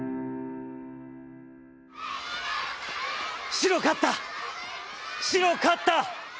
「白勝った、白勝った。